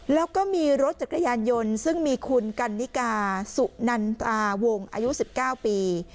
แล้วก็มีรถจักรยานยนต์ซึ่งมีคุณกันนิกาสุนันตราวงอายุ๑๙ปี